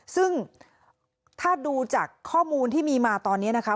ซึ่งถ้าดูจากข้อมูลที่มีมาตอนนี้นะคะ